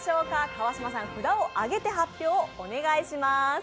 川島さん、札を上げて発表をお願いします。